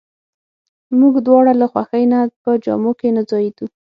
موږ دواړه له خوښۍ نه په جامو کې نه ځایېدو.